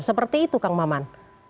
seperti itu kang maman